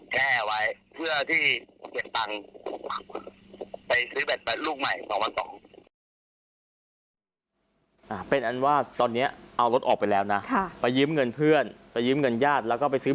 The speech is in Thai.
แต่เมื่อกี้เข้ามาสี่ห้าทุ่มนอนแล้วอย่างนี้